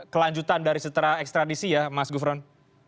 kelanjutan dari setera ekstradisi ya mas gufron